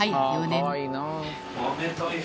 ４年